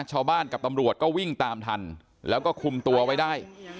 ชาวบ้านกับตำรวจก็วิ่งตามทันแล้วก็คุมตัวไว้ได้